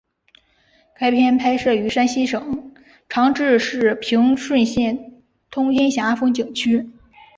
该片拍摄于山西省长治市平顺县通天峡风景区。